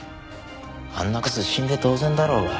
あんなクズ死んで当然だろうが。